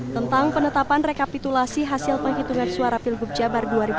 tentang penetapan rekapitulasi hasil penghitungan suara pilgub jabar dua ribu delapan belas